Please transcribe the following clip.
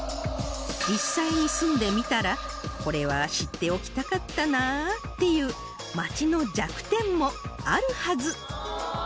実際に住んでみたら「これは知っておきたかったなー」っていう街の弱点もあるはず